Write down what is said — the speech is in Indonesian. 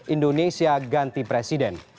indonesia ganti presiden